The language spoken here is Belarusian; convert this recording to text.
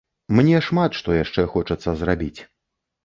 Мне шмат што яшчэ хочацца зрабіць.